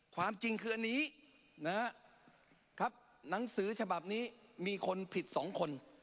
ความจริงคืออันนี้นะครับหนังสือฉบับนี้มีคนผิดสองคน